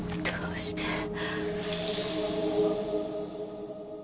どうして？